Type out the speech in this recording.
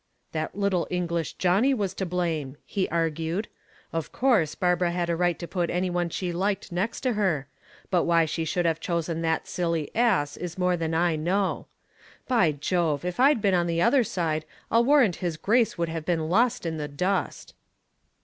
"That little English Johnnie was to blame," he argued. "Of course, Barbara had a right to put any one she liked next to her, but why she should have chosen that silly ass is more than I know. By Jove, if I had been on the other side I'll warrant his grace would have been lost in the dust."